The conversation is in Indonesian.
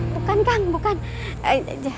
bukan kang bukan